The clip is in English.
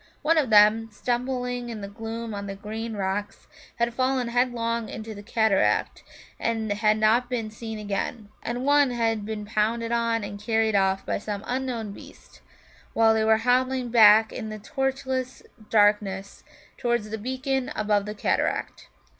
One of them, stumbling in the gloom on the green rocks, had fallen headlong into the cataract, and had not been seen again; and one had been pounced on and carried off by some unknown beast while they were hobbling back in the torchless darkness towards the beacon above the cataract.